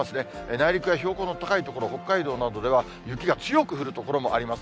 内陸や標高の高い所、北海道などでは、雪が強く降る所もあります。